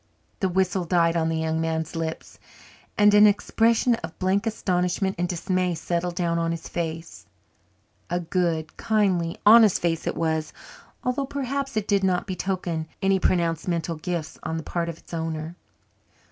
The whistle died on the young man's lips and an expression of blank astonishment and dismay settled down on his face a good, kindly, honest face it was, although perhaps it did not betoken any pronounced mental gifts on the part of its owner.